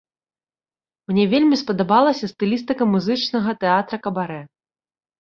Мне вельмі спадабалася стылістыка музычнага тэатра кабарэ.